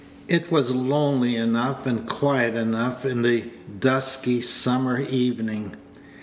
It was lonely enough and quiet enough in the dusky summer's evening.